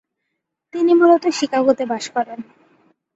তিনি মূলত শিকাগোতে বাস করেন।